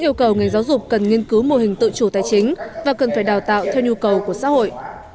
yêu cầu ngành giáo dục cần nghiên cứu mô hình tự chủ tài chính và cần phải đào tạo theo nhu cầu của xã hội